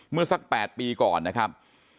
เมื่อสัก๘ปีก่อนนะครับ